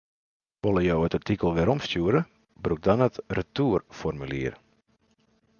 Wolle jo it artikel weromstjoere, brûk dan it retoerformulier.